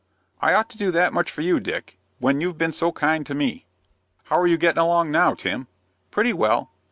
"I ought to do that much for you, Dick, when you've been so kind to me." "How are you getting along now, Tim?" "Pretty well.